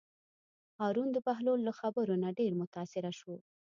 هارون د بهلول له خبرو نه ډېر متأثره شو.